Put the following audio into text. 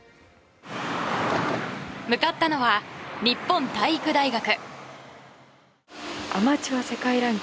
向かったのは日本体育大学。